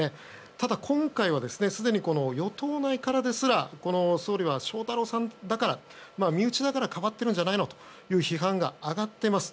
ただ、今回はすでに与党内からですら総理は翔太郎さんだから身内だからかばっているんじゃないのという批判が上がっています。